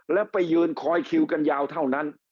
แล้วไปยืนคอยคิวกันยาวเท่านั้น